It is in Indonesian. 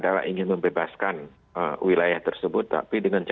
dan bersifat teritorial karena memang teroris teritorial organik